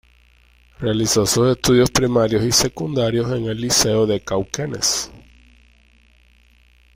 Realizó sus estudios primarios y secundarios en el Liceo de Cauquenes.